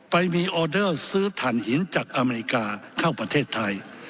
ไปมีออเดอร์ซื้อถ่านหินจากอเมริกาเข้าประเทศไทย